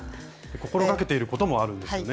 心がけていることもあるんですよね。